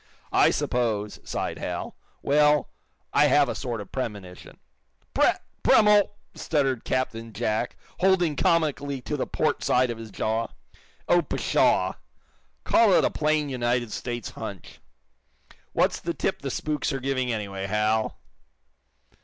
"I suppose," sighed Hal, "well, I have a sort of premonition." "Pre premo " stuttered Captain Jack, holding comically to the port side of his jaw. "Oh, pshaw! Call it a plain United States 'hunch.' What's the tip the spooks are giving anyway, Hal?"